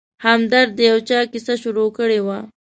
همدرد د یو چا کیسه شروع کړې وه.